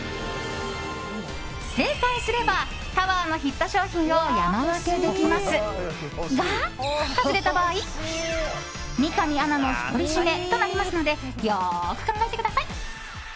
正解すれば、ｔｏｗｅｒのヒット商品を山分けできますが外れた場合、三上アナの独り占めとなりますのでよーく考えてください。